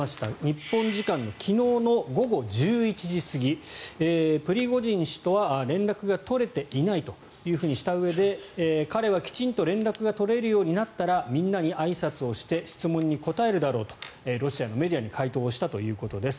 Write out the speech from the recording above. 日本時間の昨日の午後１１時過ぎプリゴジン氏とは連絡が取れていないとしたうえで彼はきちんと連絡が取れるようになったらみんなにあいさつして質問に答えるだろうとロシアのメディアに回答したということです。